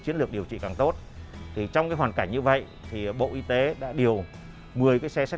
chiến lược điều trị càng tốt thì trong cái hoàn cảnh như vậy thì bộ y tế đã điều một mươi cái xe xét